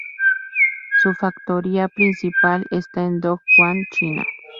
Su factoría principal está en Dong Guan, China.